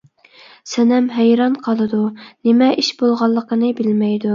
سەنەم ھەيران قالىدۇ، نېمە ئىش بولغانلىقىنى بىلمەيدۇ.